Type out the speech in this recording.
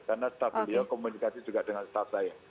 karena staf beliau komunikasi juga dengan staff saya